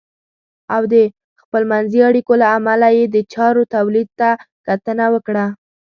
او د خپلمنځي اړیکو له امله یې د چارو تولید ته کتنه وکړه .